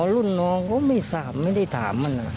รุ่นน้องก็ไม่ทราบไม่ได้ถามมัน